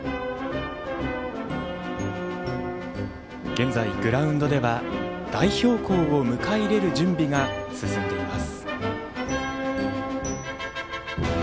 現在グラウンドでは代表校を迎え入れる準備が進んでいます。